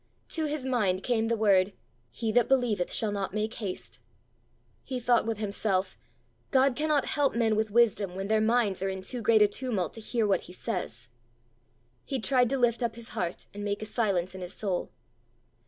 To his mind came the word, "He that believeth shall not make haste." He thought with himself, "God cannot help men with wisdom when their minds are in too great a tumult to hear what he says!" He tried to lift up his heart and make a silence in his soul.